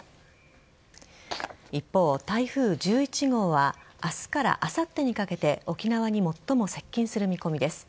一方、台風１１号は明日からあさってにかけて沖縄に最も接近する見込みです。